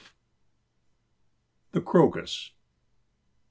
THE CROCUS.